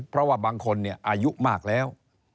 เพราะว่าบางคนอายุมากแล้ว